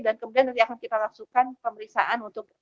dan kemudian nanti akan kita langsungkan pemeriksaan untuk itu